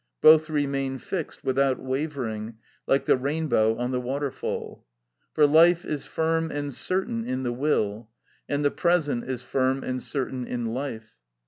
Both remain fixed without wavering, like the rainbow on the waterfall. For life is firm and certain in the will, and the present is firm and certain in life.